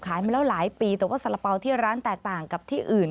มาแล้วหลายปีแต่ว่าสาระเป๋าที่ร้านแตกต่างกับที่อื่น